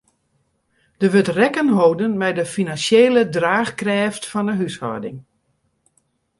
Der wurdt rekken holden mei de finansjele draachkrêft fan 'e húshâlding.